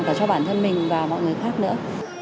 và cho bản thân mình và mọi người khác nữa